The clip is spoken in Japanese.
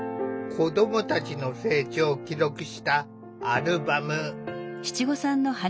子どもたちの成長を記録したアルバム。